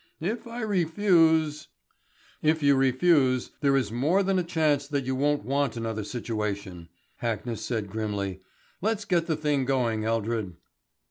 If I refuse " "If you refuse there is more than a chance that you won't want another situation," Hackness said grimly. "Let's get the thing going, Eldred."